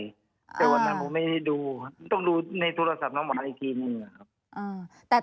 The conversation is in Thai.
แต่วันนั้นผมไม่ได้ดูต้องดูในโทรศัพท์น้ำหวานอีกทีหนึ่ง